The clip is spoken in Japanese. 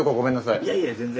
いやいや全然。